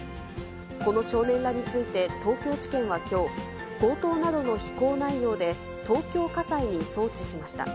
この少年らについて東京地検はきょう、強盗などの非行内容で東京家裁に送致しました。